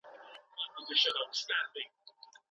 د فراه هندواڼې کوچنۍ نه دي.